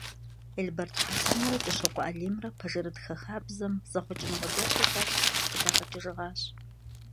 Елберд Хьэсэнрэ Кӏыщокъуэ Алимрэ пэжырытхэ хабзэм зэхъуэкӏыныгъэ гуэрхэр халъхэри къыдагъэкӏыжыгъащ.